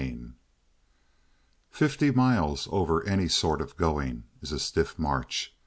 10 Fifty miles over any sort of going is a stiff march.